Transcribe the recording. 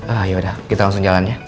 ah yaudah kita langsung jalan ya